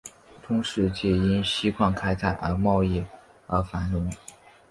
中世纪因锡矿开采和贸易而繁荣。